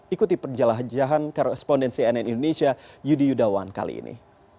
ikuti penjelajahan korespondensi nn indonesia yudi yudawan kali ini